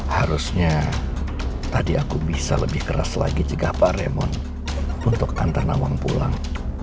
harusnya tadi aku bisa lebih keras lagi cegah pak remon untuk antar nawang pulang